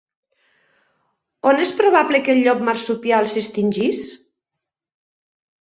On és probable que el llop marsupial s'extingís?